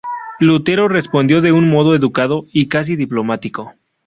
Lutero respondió de un modo educado y casi diplomático.